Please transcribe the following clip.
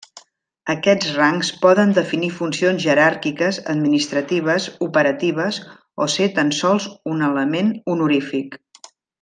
Aquests rangs poden definir funcions jeràrquiques, administratives, operatives, o ser tan sols un element honorífic.